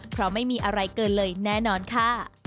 เพราะไม่มีอะไรเกินเลยแน่นอนค่ะ